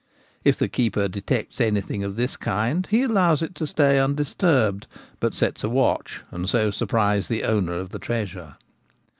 If the keeper detects anything of this kind he allows it to stay undisturbed, but sets a watch, and so sur prises the owner of the treasure.